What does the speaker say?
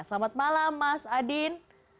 selamat malam mas adin